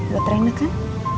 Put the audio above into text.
buat rena kan